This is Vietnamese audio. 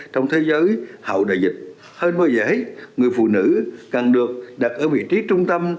trong thế giới hậu đại dịch hơn bao giờ người phụ nữ càng được đặt ở vị trí trung tâm